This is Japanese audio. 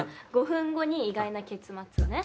『５分後に意外な結末』ね。